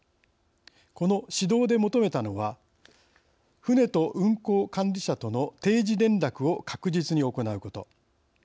この指導で求めたのは船と運航管理者との定時連絡を確実に行うこと。